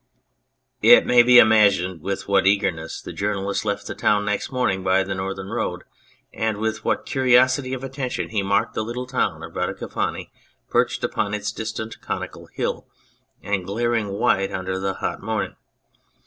It may be imagined with what eagerness the journalist left the town next morning by the north ern road and with what curiosity of attention he marked the little town of Radicofani perched upon its distant conical hill and glaring white under the hot morning.